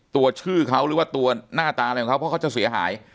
ตัวชื่อเขาหรือว่าตัวหน้าตาอะไรของเขาเพราะเขาจะเสียหาย